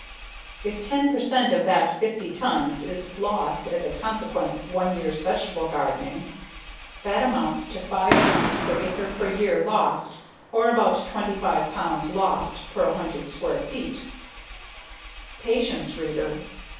If 10 percent of that fifty tons is lost as a consequence of one year's vegetable gardening, that amounts to five tons per acre per year lost or about 25 pounds lost per 100 square feet. Patience, reader.